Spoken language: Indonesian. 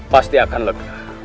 pasti akan lega